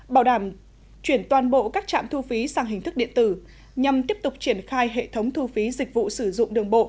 bảo đảm chuyển toàn bộ các trạm thu phí sang hình thức điện tử nhằm tiếp tục triển khai hệ thống thu phí dịch vụ sử dụng đường bộ